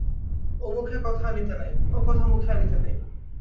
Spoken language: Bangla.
ও কথা মুখে আনিতে নাই।